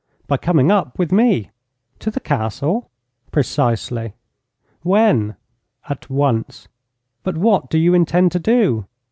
'By coming up with me.' 'To the Castle?' 'Precisely.' 'When?' 'At once.' 'But what do you intend to do?'